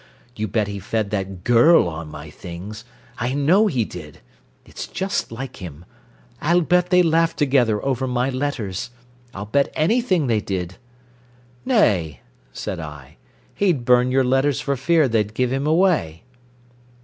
You bet he fed that gurrl on my things I know he did. It's just like him. I'll bet they laughed together over my letters. I'll bet anything they did " "Nay," said I. "He'd burn your letters for fear they'd give him away."